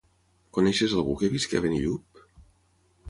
Coneixes algú que visqui a Benillup?